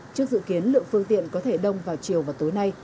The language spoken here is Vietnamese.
trước dự kiến lượng phương tiện có thể đông vào chiều và tối nay